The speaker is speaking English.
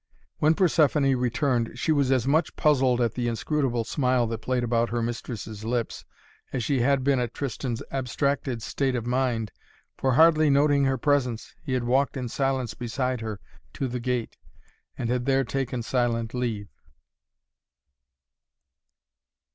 When Persephoné returned, she was as much puzzled at the inscrutable smile that played about her mistress' lips as she had been at Tristan's abstracted state of mind, for, hardly noting her presence, he had walked in silence beside her to the gate, and had there taken silent leave.